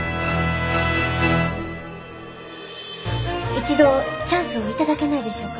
一度チャンスを頂けないでしょうか？